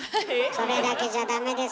それだけじゃダメです。